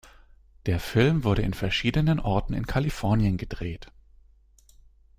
Der Film wurde in verschiedenen Orten in Kalifornien gedreht.